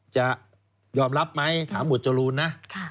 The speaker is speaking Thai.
จะยอมรับไหมถามหมวดจรูนนะ